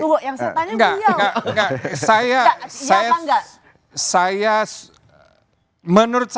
tunggu yang saya tanya beliau